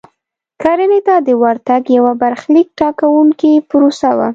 کرنې ته د ورتګ یوه برخلیک ټاکونکې پروسه وه.